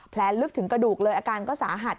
ลึกถึงกระดูกเลยอาการก็สาหัส